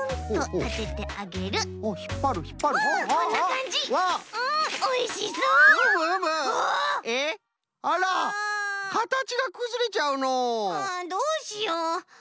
ああどうしよう。